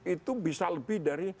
itu bisa lebih dari